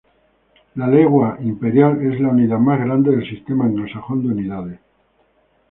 La legua imperial es la unidad más grande del Sistema Anglosajón de Unidades.